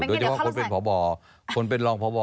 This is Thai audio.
โดยเฉพาะคนเป็นรองผอบอ